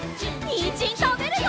にんじんたべるよ！